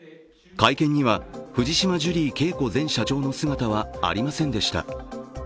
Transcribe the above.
会見には、藤島ジュリー景子前社長の姿はありませんでした。